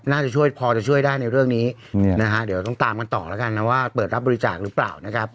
น่าจะช่วยพอจะช่วยได้ในเรื่องนี้นะฮะเดี๋ยวต้องตามกันต่อแล้วกันนะว่าเปิดรับบริจาคหรือเปล่านะครับ